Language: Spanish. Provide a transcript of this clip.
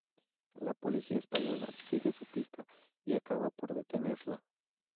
La policía española sigue su pista y acaba por detenerla.